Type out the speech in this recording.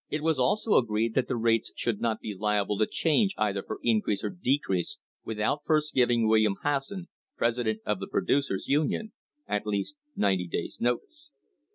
* It was also agreed that the rates should not be liable I to change either for increase or decrease without first giving William Hasson, president of the Producers' Union, at least ninety days' notice.